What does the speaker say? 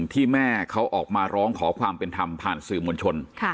ที่แม่เขาออกมาร้องขอความเป็นธรรมผ่านสื่อมวลชน